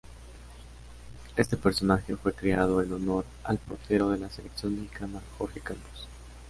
Este personaje fue creado en honor al portero de la selección mexicana Jorge Campos.